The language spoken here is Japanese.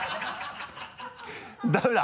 ダメだ！